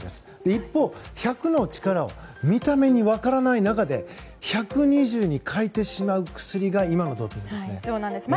一方、１００の力を見た目に分からない中で１２０に変えてしまう薬が今のドーピングでうね。